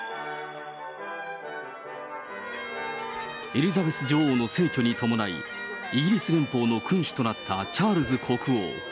エリザベス女王の逝去に伴い、イギリス連邦の君主となったチャールズ国王。